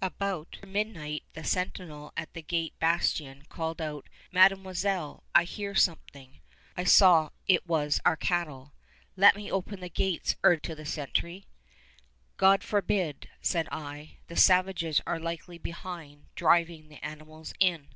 About midnight the sentinel at the gate bastion called out, "Mademoiselle! I hear something!" I saw it was our cattle. "Let me open the gates," urged the sentry. "God forbid," said I; "the savages are likely behind, driving the animals in."